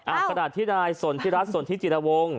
อ้าวกระดาษที่ใดส่วนที่รัฐส่วนที่จิตรวง